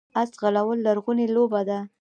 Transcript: اس ځغلول لرغونې لوبه ده